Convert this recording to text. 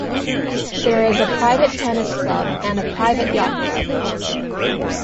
There is a private tennis club and a private yacht club.